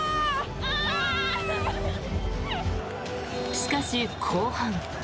しかし、後半。